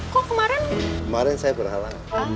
kok kemarin kemarin saya berhalang